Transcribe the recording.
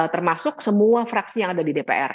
termasuk semua fraksi yang ada di dpr